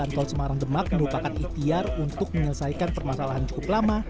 jalan tol semarang demak merupakan ikhtiar untuk menyelesaikan permasalahan cukup lama